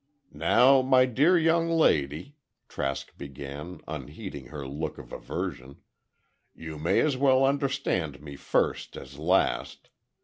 "Now, my dear young lady," Trask began, unheeding her look of aversion, "you may as well understand me first as last.